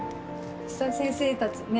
先生たちね